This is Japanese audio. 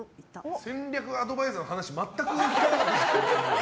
戦略アドバイザーの話全く聞かなかったですけど。